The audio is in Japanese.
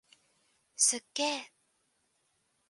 すっげー！